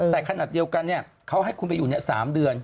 แต่ขนาดเดียวกันเขาให้คุณไปอยู่๓เดือน